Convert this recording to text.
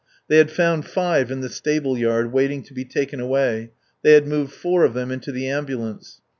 They had found five in the stable yard, waiting to be taken away; they had moved four of them into the ambulance.